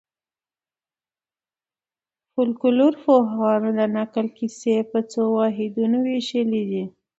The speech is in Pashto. فولکلورپوهانو د نکل کیسې په څو واحدونو وېشلي دي.